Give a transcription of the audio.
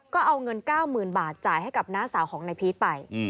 ก็เอาเงิน๙๐๐๐บาทจ่ายให้กับน้าสาวของนายพีชไป